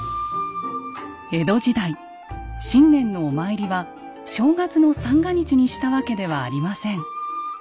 江戸時代新年のお参りは正月の三が日にしたわけではありません。